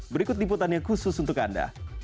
berikut liputannya khusus untuk anda